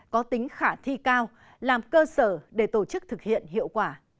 có tính khả thi cao làm cơ sở để tổ chức thực hiện hiệu quả